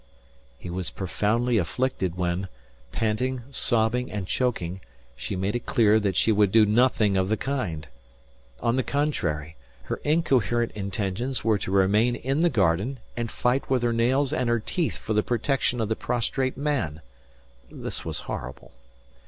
He was profoundly afflicted when, panting, sobbing, and choking, she made it clear that she would do nothing of the kind. On the contrary, her incoherent intentions were to remain in the garden and fight with her nails and her teeth for the protection of the prostrate man. This was horrible.